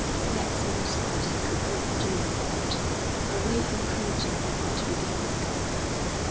Yet some respite he could not do without; away from Primpton he might regain his calm.